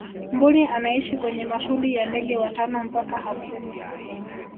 mbuni anaishi kwenye makundi ya ndege watano mpaka hamsini